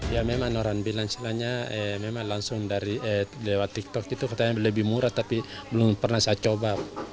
ya memang orang bilang istilahnya memang langsung lewat tiktok itu katanya lebih murah tapi belum pernah saya coba